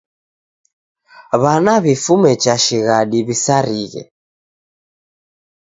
W'ana w'ifume cha shighadi w'isarighe.